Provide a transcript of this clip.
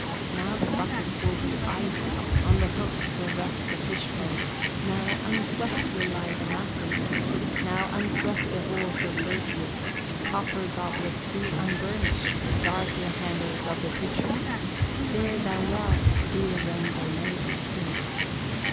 Now the buckets will be idle, On the hooks will rest the fish poles, Now unswept will lie the matting, And unswept the halls of birch wood, Copper goblets be unburnished, Dark the handles of the pitchers, Fare thou well, dear Rainbow Maiden."